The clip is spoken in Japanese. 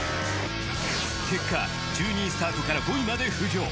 結果１２位スタートから５位まで浮上。